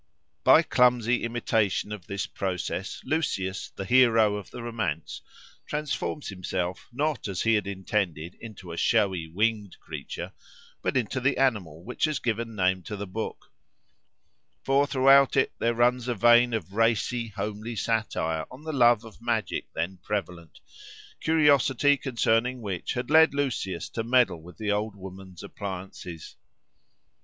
By clumsy imitation of this process, Lucius, the hero of the romance, transforms himself, not as he had intended into a showy winged creature, but into the animal which has given name to the book; for throughout it there runs a vein of racy, homely satire on the love of magic then prevalent, curiosity concerning which had led Lucius to meddle with the old woman's appliances.